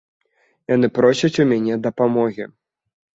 Яны просяць у мяне дапамогі.